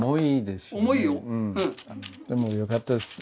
でもよかったです